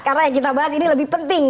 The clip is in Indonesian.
karena yang kita bahas ini lebih penting